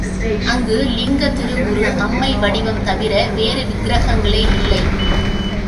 அங்கு லிங்கத் திருவுரு, அம்மை வடிவம் தவிர வேறு விக்கிரகங்களே இல்லை.